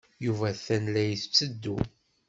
Yuba atan la yetteddu.